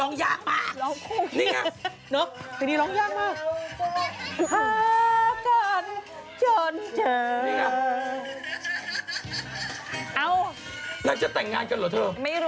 นี่ไง